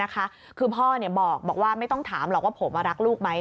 คือพ่อบอกว่าไม่ต้องถามหรอกว่าผมรักลูกไหม